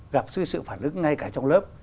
gặp sự phản ứng ngay cả trong lớp